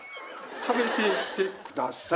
「食べていってください」